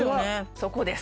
そこです